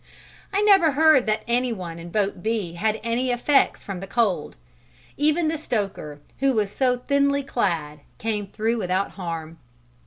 I never heard that any one in boat B had any after effects from the cold even the stoker who was so thinly clad came through without harm.